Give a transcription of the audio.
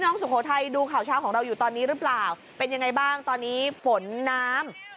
สุโขทัยดูข่าวเช้าของเราอยู่ตอนนี้หรือเปล่าเป็นยังไงบ้างตอนนี้ฝนน้ำ